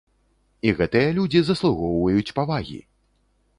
І гэтыя людзі заслугоўваюць павагі.